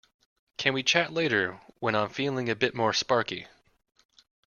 Can we chat later when I'm feeling a bit more sparky?